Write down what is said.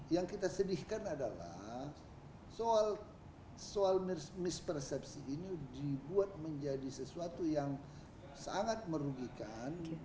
yang kita sedihkan adalah soal mispersepsi ini dibuat menjadi sesuatu yang sangat merugikan